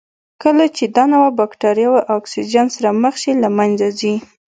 کله چې دا نوعه بکټریاوې اکسیجن سره مخ شي له منځه ځي.